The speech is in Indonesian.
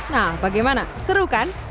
nah bagaimana seru kan